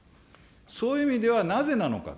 そういう意味では、なぜなのかと。